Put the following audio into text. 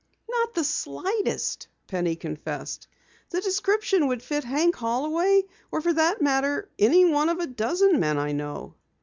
"Not the slightest," Penny confessed. "The description would fit Hank Holloway, or for that matter, any one of a dozen men I know."